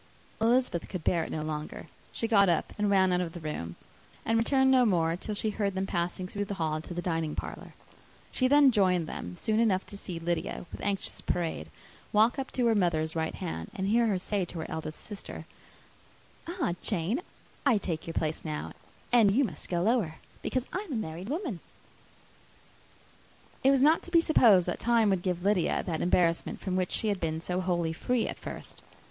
Elizabeth could bear it no longer. She got up and ran out of the room; and returned no more, till she heard them passing through the hall to the dining parlour. She then joined them soon enough to see Lydia, with anxious parade, walk up to her mother's right hand, and hear her say to her eldest sister, "Ah, Jane, I take your place now, and you must go lower, because I am a married woman." It was not to be supposed that time would give Lydia that embarrassment from which she had been so wholly free at first.